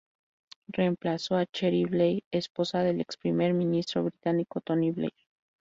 Reemplazó a Cherie Blair, esposa del ex-primer ministro británico Tony Blair.